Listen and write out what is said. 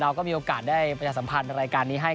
เราก็มีโอกาสได้ประชาสัมพันธ์รายการนี้ให้